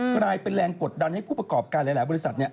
กลายเป็นแรงกดดันให้ผู้ประกอบการหลายบริษัท